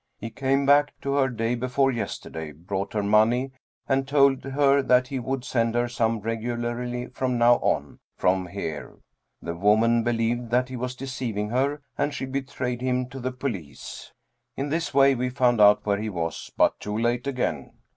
He came back to her day before yesterday, brought her money, and told her that he would send her some regularly from now on, from here. The woman believed that he was deceiving her and she betrayed him to the police. In this way we found out where he was, but too late again.